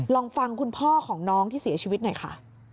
ลองฟังคุณพ่อของน้องที่เสียชีวิตหน่อยค่ะ